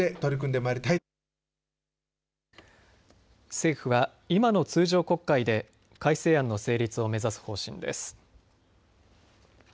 政府は今の通常国会で改正案の成立を目指す方針です。